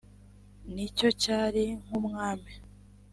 ni cyo cyari nk umwami